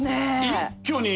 一挙に。